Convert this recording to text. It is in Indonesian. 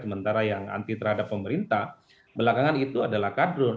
sementara yang anti terhadap pemerintah belakangan itu adalah kadrun